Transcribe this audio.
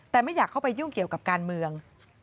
แต่ไม่อยากเข้าไปยุ่งเกี่ยวกับการเมือง